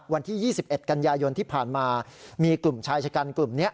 วันที่๒๑กันยายนที่ผ่านมามีกลุ่มชายชะกันกลุ่มนี้